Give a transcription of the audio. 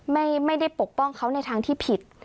ไม่ได้ปกป้องเขาในทางที่ผิด